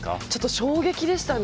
衝撃でしたね。